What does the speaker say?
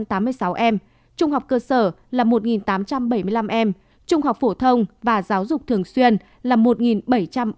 trung học cơ sở là một tám trăm bảy mươi năm em trung học phổ thông và giáo dục thường xuyên là một bảy trăm bốn mươi bốn ca